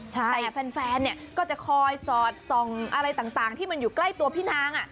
แต่แฟนเนี่ยก็จะคอยสอดส่องอะไรต่างที่มันอยู่ใกล้ตัวพี่นาง